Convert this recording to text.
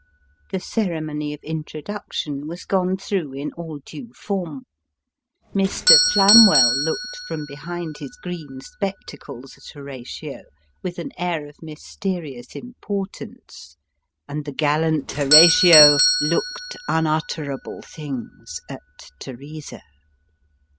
The ceremony of introduction was gone through, in all due form. Mr. Flam well looked from behind his green spectacles at Horatio with an air of mysterious importance ; and the gallant Horatio looked unutterable things at Teresa.